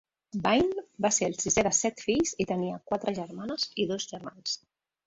Bain va ser el sisè de set fills i tenia quatre germanes i dos germans.